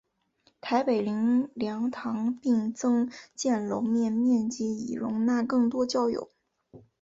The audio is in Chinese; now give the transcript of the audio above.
台北灵粮堂并增建楼面面积以容纳更多教友。